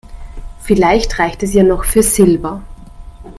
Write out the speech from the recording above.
Vielleicht reicht es ja noch für Silber.